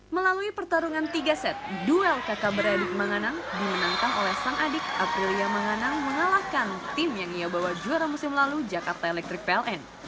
melalui pertarungan tiga set duel kakak beradik manganang dimenangkan oleh sang adik aprilia manganang mengalahkan tim yang ia bawa juara musim lalu jakarta electric pln